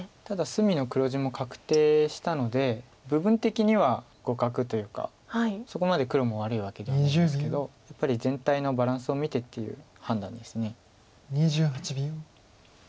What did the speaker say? ただ隅の黒地も確定したので部分的には互角というかそこまで黒も悪いわけではないですけどやっぱり全体のバランスを見てっていう判断です。